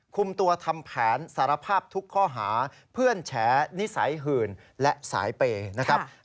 คุมตัวทำแผนสารภาพทุกข้อหาเพื่อนแฉนิสัยหื่นและสายเปย์นะครับ